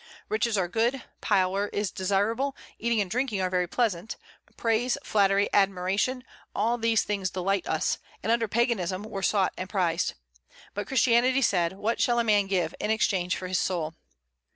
Riches are good, power is desirable; eating and drinking are very pleasant; praise, flattery, admiration, all these things delight us, and under Paganism were sought and prized. But Christianity said, "What shall a man give in exchange for his soul?"